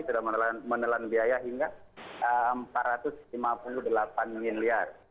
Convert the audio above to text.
sudah menelan biaya hingga rp empat ratus lima puluh delapan miliar